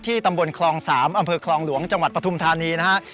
ตำบลคลอง๓อำเภอคลองหลวงจังหวัดปฐุมธานีนะฮะ